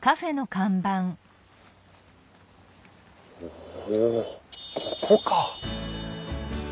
おおここか！